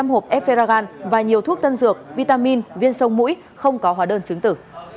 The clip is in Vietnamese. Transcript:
bảy trăm linh hộp eferagan và nhiều thuốc tân dược vitamin viên sông mũi không có hóa đơn chứng tử